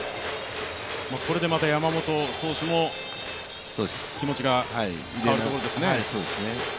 これでまた山本投手も気持ちが変わるところですね。